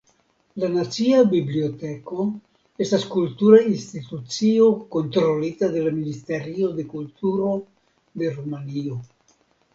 La Nacia Biblioteko estas kultura institucio kontrolita de la Ministerio de Kulturo de Rumanio.